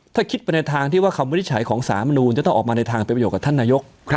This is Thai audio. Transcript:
ถ้าคิดเป็นในทางที่ว่าคำวิริส๑๙๑๙จะต้องกลับในทางไปประโยคกับท่านนายก